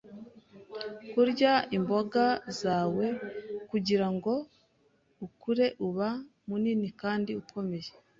Kurya imboga zawe kugirango ukure ube munini kandi ukomeye.